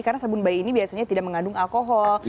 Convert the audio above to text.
karena sabun baik ini biasanya tidak mengandung alkohol